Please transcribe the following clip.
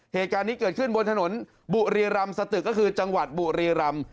เหตุการณ์นี้เกิดขึ้นบนถนนบุรีรำสตึกก็คือจังหวัดบุรีรำ